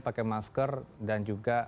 pakai masker dan juga